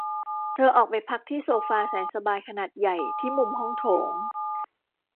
เธอออกไปพักที่โซฟาแสนสบายขนาดใหญ่ที่มุมห้องโถง